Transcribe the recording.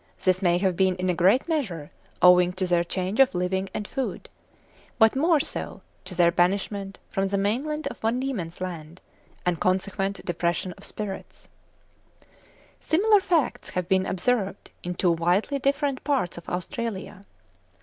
This may have been in a great measure owing to their change of living and food; but more so to their banishment from the mainland of Van Diemen's Land, and consequent depression of spirits" (Bonwick, pp. 388, 390). Similar facts have been observed in two widely different parts of Australia.